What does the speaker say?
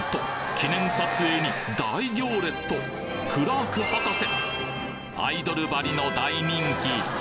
記念撮影に大行列とクラーク博士アイドルばりの大人気！